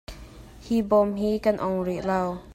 Hi bawm hi kan ong rih lo .